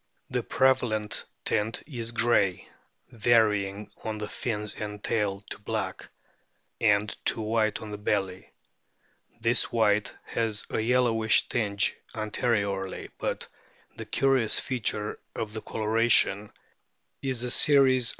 The prevalent tint is grey, varying on the fins and tail to black, and to white on the belly. This white has a yellowish tinge anteriorly, but the curious feature of the coloration is a series of * Ann.